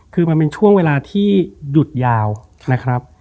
คือมันเป็นช่วงเวลาที่หยุดยาวนะครับ